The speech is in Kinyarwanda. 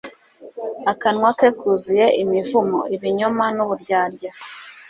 akanwa ke kuzuye imivumo, ibinyoma n'uburyarya